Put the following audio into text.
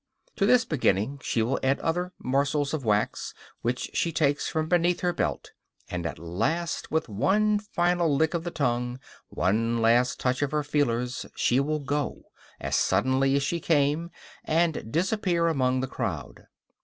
To this beginning she will add other morsels of wax, which she takes from beneath her belt; and at last, with one final lick of the tongue, one last touch of her feelers, she will go, as suddenly as she came, and disappear among the crowd.